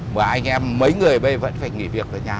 mà anh em mấy người ở đây vẫn phải nghỉ việc ở nhà